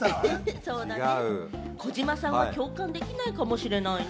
児嶋さんも共感できないかもしれないな。